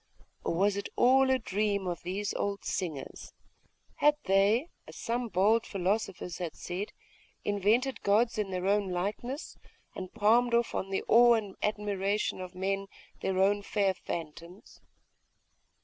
Or was it all a dream of these old singers? Had they, as some bold philosophers had said, invented gods in their own likeness, and palmed off on the awe and admiration of men their own fair phantoms?....